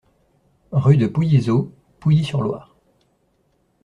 Rue de Pouillyzot, Pouilly-sur-Loire